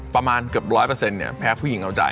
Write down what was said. ประมาณเกือบ๑๐๐เนี่ยแพ้ผู้หญิงเอาจ่าย